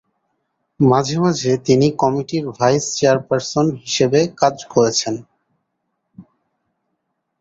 মাঝে মাঝে, তিনি কমিটির ভাইস চেয়ারপারসন হিসাবে কাজ করেছেন।